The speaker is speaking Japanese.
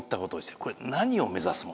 これ何を目指すもの？